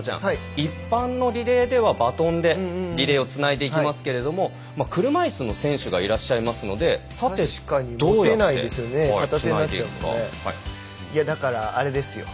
一般のリレーではバトンでリレーをつないでいきますけれども車いすの選手がいらっしゃいますので確かに持てないですよね。